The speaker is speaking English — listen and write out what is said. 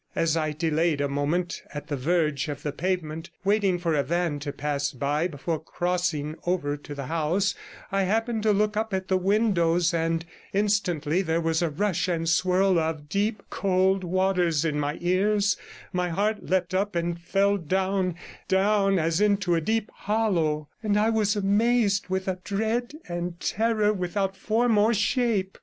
As I delayed a moment at the verge of the pavement, waiting for a van to pass by before crossing over to the house, I happened to look up at the windows, and instantly there was the rush and swirl of deep cold waters in my ears, my heart leapt up and fell down, down as into a deep hollow, and I was amazed with a dread and terror without form or shape.